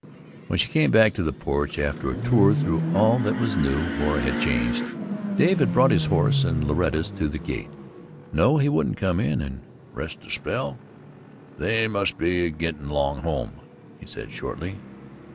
When she came back to the porch, after a tour through all that was new or had changed, Dave had brought his horse and Loretta's to the gate. No, he wouldn't come in and "rest a spell" "they must be gittin' along home," he said shortly.